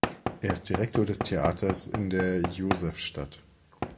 Er ist Direktor des Theaters in der Josefstadt.